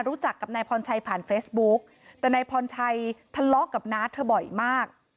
รู้จักกับนายพรชัยผ่านเฟซบุ๊กแต่นายพรชัยทะเลาะกับน้าเธอบ่อยมาก